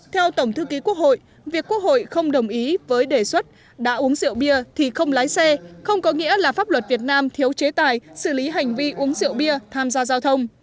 theo tổng thư ký quốc hội việc quốc hội không đồng ý với đề xuất đã uống rượu bia thì không lái xe không có nghĩa là pháp luật việt nam thiếu chế tài xử lý hành vi uống rượu bia tham gia giao thông